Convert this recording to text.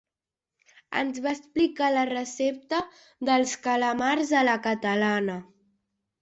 Ens van explicar la recepta dels calamars a la catalana.